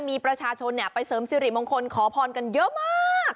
มีประชาชนไปเสริมสิริมงคลขอพรกันเยอะมาก